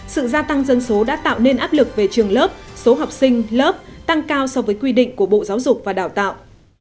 sự gia tăng dân số đã tạo nên áp lực về trường lớp số học sinh lớp tăng cao so với quy định của bộ giáo dục và đào tạo